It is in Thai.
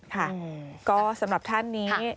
ค่ะก็สำหรับท่านนี้